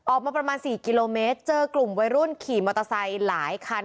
ประมาณ๔กิโลเมตรเจอกลุ่มวัยรุ่นขี่มอเตอร์ไซค์หลายคัน